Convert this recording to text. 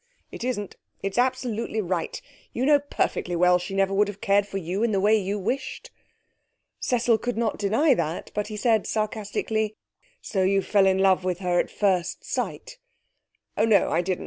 'It isn't. It's absolutely right. You know perfectly well she never would have cared for you in the way you wished.' Cecil could not deny that, but he said sarcastically 'So you fell in love with her at first sight?' 'Oh no, I didn't.